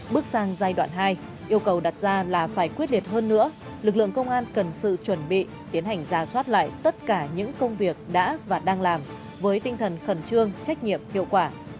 bước sang giai đoạn hai yêu cầu đặt ra là phải quyết liệt hơn nữa lực lượng công an cần sự chuẩn bị tiến hành giả soát lại tất cả những công việc đã và đang làm với tinh thần khẩn trương trách nhiệm hiệu quả